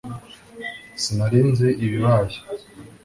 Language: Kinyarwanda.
sinari nzi ibibaye